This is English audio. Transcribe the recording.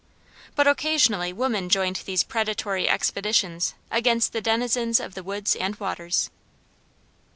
But occasionally women joined these predatory expeditions against the denizens of the woods and waters.